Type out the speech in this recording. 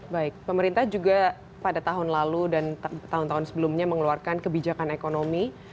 baik pemerintah juga pada tahun lalu dan tahun tahun sebelumnya mengeluarkan kebijakan ekonomi